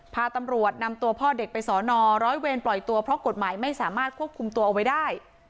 พาตำรวจนำตัวพ่อเด็กไปสอนอร้อยเวรปล่อยตัวเพราะกฎหมายไม่สามารถควบคุมตัวเอาไว้ได้